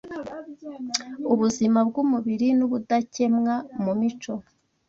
Ubuzima bw’umubiri n’ubudakemwa mu mico